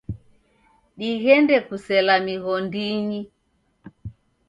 Dighende kusela mighondinyi.